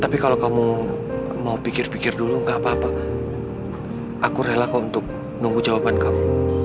tapi kalau kamu mau pikir pikir dulu nggak papa aku rela kau untuk nunggu jawaban kamu